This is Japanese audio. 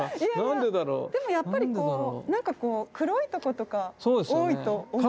でもやっぱりこうなんかこう黒いとことか多いと思いません？